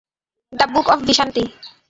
The book of ভিশান্তি?